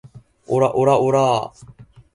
オラオラオラァ